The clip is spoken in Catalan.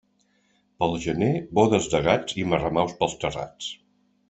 Pel gener, bodes de gats i marramaus pels terrats.